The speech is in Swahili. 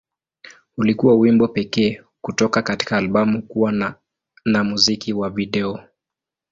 Ulikuwa wimbo pekee kutoka katika albamu kuwa na na muziki wa video.